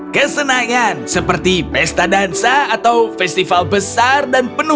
kesenangan seperti pesta dansa atau festival besar dan penuh